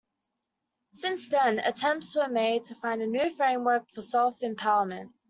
Since then, attempts were made to find a new framework for self-empowerment.